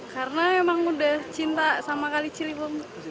karena emang udah cinta sama kaliciliwung